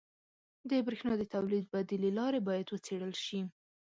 • د برېښنا د تولید بدیلې لارې باید وڅېړل شي.